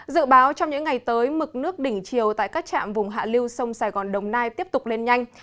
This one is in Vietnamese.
dự báo trong những ngày tới mực nước đỉnh chiều tại các trạm vùng hạ lưu sông sài gòn đồng nai tiếp tục lên nhanh